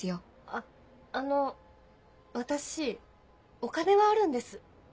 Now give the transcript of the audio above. あっあの私お金はあるんです。